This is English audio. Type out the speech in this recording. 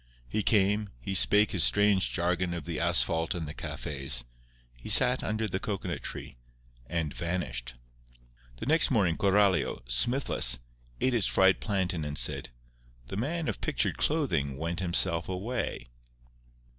He came; he spake his strange jargon of the asphalt and the cafés; he sat under the cocoanut tree, and vanished. The next morning Coralio, Smithless, ate its fried plantain and said: "The man of pictured clothing went himself away."